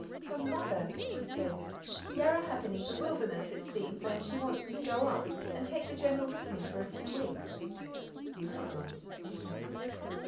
"From Mother," she said. "Yarrahappini's a wilderness, it seems, and she wants me to go up, and take the General with me, for a few weeks." "Ah!" he said.